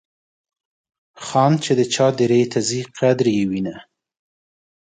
خان چې د چا دیرې ته ځي قدر یې وینه.